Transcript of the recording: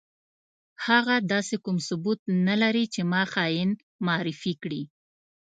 هغه داسې کوم ثبوت نه لري چې ما خاين معرفي کړي.